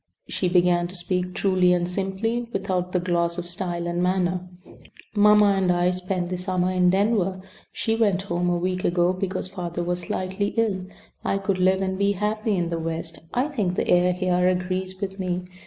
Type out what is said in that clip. She began to speak truly and simply without the gloss of style and manner: "Mamma and I spent the summer in Denver. She went home a week ago because father was slightly ill. I could live and be happy in the West. I think the air here agrees with me.